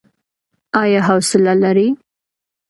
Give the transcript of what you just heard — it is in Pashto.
ایا حوصله لرئ؟